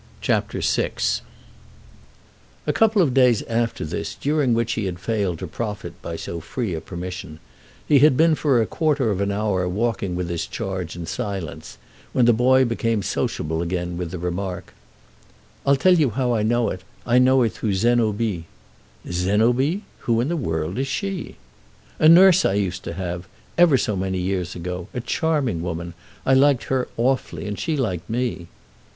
CHAPTER VI A couple of days after this, during which he had failed to profit by so free a permission, he had been for a quarter of an hour walking with his charge in silence when the boy became sociable again with the remark: "I'll tell you how I know it; I know it through Zénobie." "Zénobie? Who in the world is she?" "A nurse I used to have—ever so many years ago. A charming woman. I liked her awfully, and she liked me."